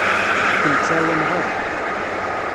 Ur kem-ttɛawaneɣ ara.